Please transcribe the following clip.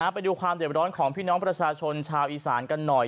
ไปดูความเด็บร้อนของพี่น้องประชาชนชาวอีสานกันหน่อย